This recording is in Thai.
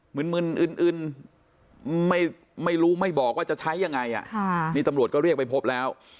มึนอึนไม่รู้ไม่บอกว่าจะใช้ยังไงนี่ตำรวจก็เรียกไปพบแล้ว